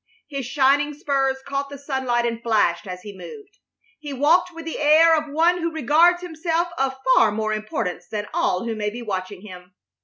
His shining spurs caught the sunlight and flashed as he moved. He walked with the air of one who regards himself of far more importance than all who may be watching him.